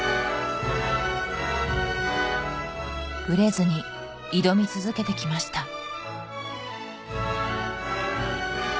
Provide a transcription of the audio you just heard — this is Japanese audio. ブレずに挑み続けて来ました